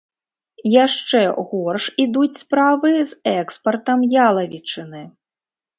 Яшчэ горш ідуць справы з экспартам ялавічыны.